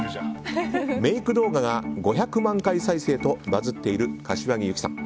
メイク動画が５００万回再生とバズっている柏木由紀さん。